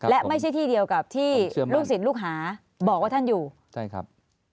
และไม่ใช่ที่เดียวกับที่ลูกศิลปลูกหาบอกว่าท่านอยู่ใช่ครับ